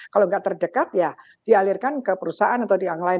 kalau nggak terdekat ya dialirkan ke perusahaan atau di yang lain